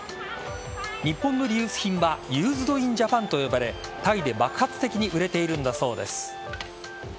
日本のリユース品はユーズド・イン・ジャパンと呼ばれタイで爆発的に売れているんだそうです。